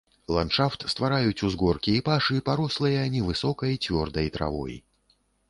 Ландшафт ствараюць узгоркі і пашы, парослыя невысокай цвёрдай травой.